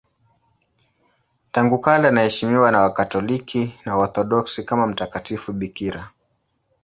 Tangu kale anaheshimiwa na Wakatoliki na Waorthodoksi kama mtakatifu bikira.